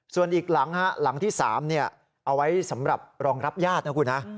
ส่วนอีกหลังหลังที่๓เอาไว้สำหรับรองรับญาตินะคุณฮะ